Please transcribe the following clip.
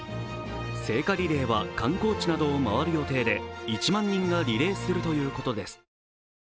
聖火リレーは観光地などを回る予定で１万人がリレーするということです